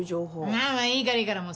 まあまあいいからいいからもう。